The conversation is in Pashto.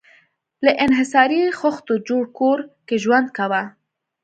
له انحصاري خښتو جوړ کور کې ژوند کاوه.